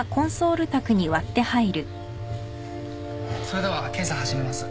それでは検査始めます。